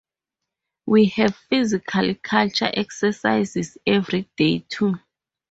We have physical culture exercises every day, too.